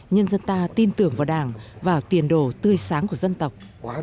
nhưng dân ta tin tưởng vào đảng và tiền đồ tươi sáng của dân tộc